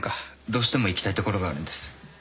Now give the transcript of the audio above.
どうしても行きたい所があるんです。